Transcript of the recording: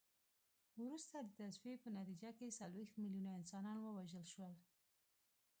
وروسته د تصفیې په نتیجه کې څلوېښت میلیونه انسانان ووژل شول.